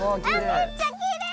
めっちゃきれい！